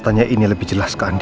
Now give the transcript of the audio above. tanya ini lebih jelas ke andi